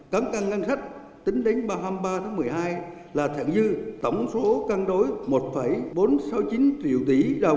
tấn căng ngân sách tính đến hai mươi ba tháng một mươi hai là thẳng dư tổng số căng đối một bốn trăm sáu mươi chín triệu tỷ